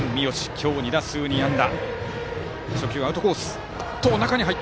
今日２打数２安打。